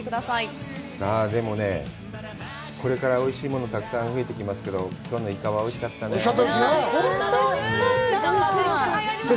さあ、でもねぇ、これから、おいしいものがたくさんふえてきますけど、きょうのイカは、おいしかったね。